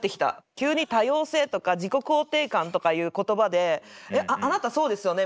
急に多様性とか自己肯定感とかいう言葉で「あなたそうですよね」みたいな。